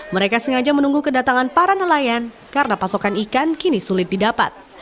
mereka sengaja menunggu kedatangan para nelayan karena pasokan ikan kini sulit didapat